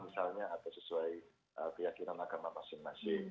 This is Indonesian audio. di sampingnya rumah sakit rujukan itu tidak ada kesimpangsiuran